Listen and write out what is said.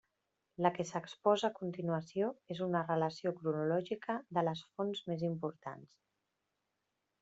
La que s'exposa a continuació és una relació cronològica de les fonts més importants.